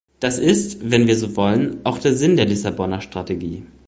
Das ist, wenn wir so wollen, auch der Sinn der Lissabonner Strategie.